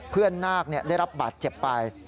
เพื่อนนาคได้รับบาดเจ็บไป